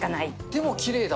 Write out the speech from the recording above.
でも、きれいだ。